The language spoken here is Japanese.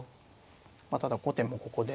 まあただ後手もここで。